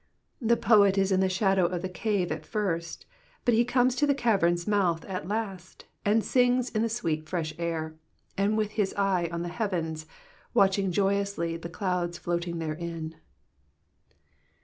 The poet is in the shadow of the cave at first, but he comes to the cai^em's mouth at last, and sings in the sweet fresh air, with his eye on the heavens^ watching joyously the clouds floating therein.